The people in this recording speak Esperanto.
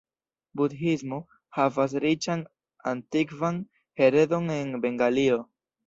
Budhismo havas riĉan antikvan heredon en Bengalio.